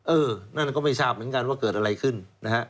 เออนั่นก็ไม่ทราบเหมือนกันว่าเกิดอะไรขึ้นนะฮะ